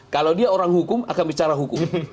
kalau dia orang hukum akan bicara hukum